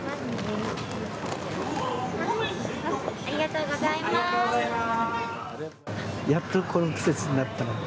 ありがとうございます。